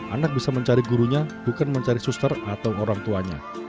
anak bisa mencari gurunya bukan mencari suster atau orang tuanya